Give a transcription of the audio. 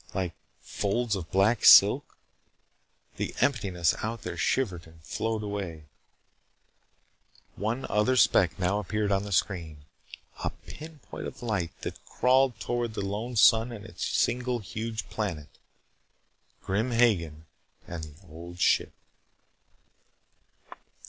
Like folds of black silk, the emptiness out there shimmered and flowed away One other speck now appeared upon the screen. A pinpoint of light that crawled toward the lone sun and its single huge planet. Grim Hagen and the Old Ship!